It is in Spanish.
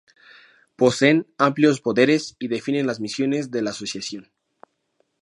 Poseen amplios poderes y definen las misiones de la asociación.